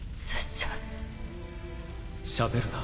しゃべるな。